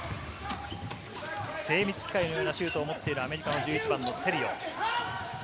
精密機械のようなシュートをもっているアメリカのセリオ。